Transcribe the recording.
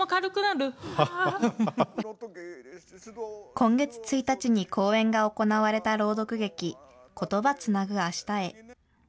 今月１日に公演が行われた朗読劇、言葉つなぐ明日へ。